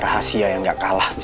etapa mengejaknya nih